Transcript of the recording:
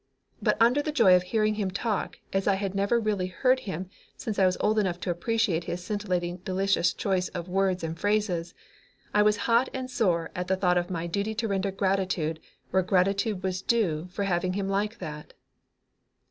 But under the joy of hearing him talk as I had never really heard him since I was old enough to appreciate his scintillating delicious choice of words and phrases, I was hot and sore at the thought of my duty to render gratitude where gratitude was due for having him like that.